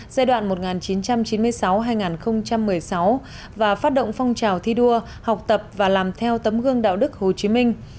giai đoạn một nghìn chín trăm chín mươi sáu hai nghìn một mươi sáu và phát động phong trào thi đua học tập và làm theo tấm gương đạo đức hồ chí minh